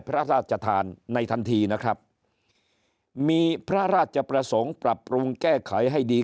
พระราชทานในทันทีนะครับมีพระราชประสงค์ปรับปรุงแก้ไขให้ดี